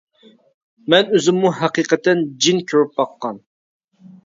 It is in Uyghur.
مەن ئۆزۈممۇ ھەقىقەتەن جىن كۆرۈپ باققان.